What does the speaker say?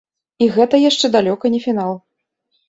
І гэта яшчэ далёка не фінал.